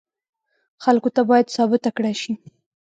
خلکو ته باید ثابته کړای شي.